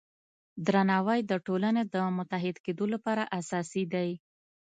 درناوی د ټولنې د متحد کیدو لپاره اساسي دی.